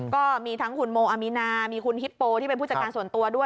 ก็มีทั้งคุณโมอามีนามีคุณฮิปโปที่เป็นผู้จัดการส่วนตัวด้วย